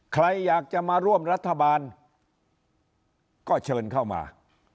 ใครอยากจะมาร่วมรัฐบาลก็เชิญเข้ามา